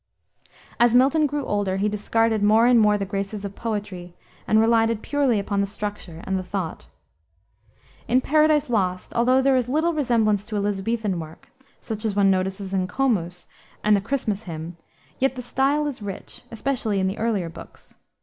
As Milton grew older he discarded more and more the graces of poetry, and relied purely upon the structure and the thought. In Paradise Lost, although there is little resemblance to Elisabethan work such as one notices in Comus and the Christmas hymn yet the style is rich, especially in the earlier books.